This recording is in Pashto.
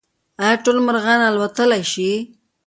ایا ټول مرغان الوتلی شي؟